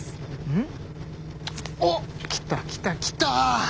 うん？おっ来た来た来た！